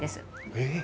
えっ。